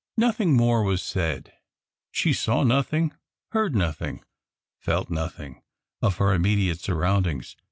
Nothing more was said, she saw nothing, heard nothing, felt nothing of her immediate surroundings.